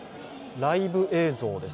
ライブ映像です。